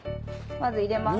まず入れます。